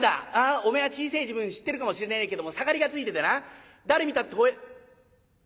おめえは小せえ時分知ってるかもしれねえけども盛りがついててな誰見たってほえ。